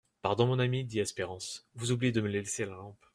Pardon, mon ami, dit Espérance, vous oubliez de me laisser la lampe.